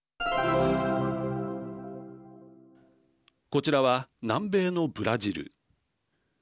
こちらは、南米のブラジル。